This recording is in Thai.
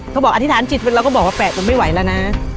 บอกอธิษฐานจิตเราก็บอกว่าแปะจะไม่ไหวแล้วนะ